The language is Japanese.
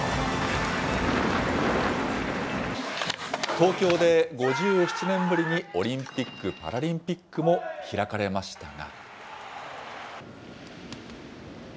東京で５７年ぶりにオリンピック・パラリンピックも開かれましたが。